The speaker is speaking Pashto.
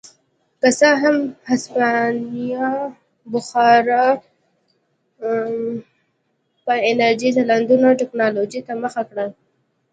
که څه هم هسپانیا بخار په انرژۍ چلېدونکې ټکنالوژۍ ته مخه کړه.